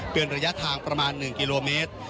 เป็นระยะทางประมาณ๑กิโลเมตร